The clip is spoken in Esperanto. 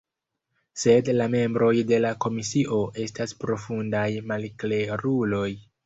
Sed la membroj de la komisio estas profundaj malkleruloj.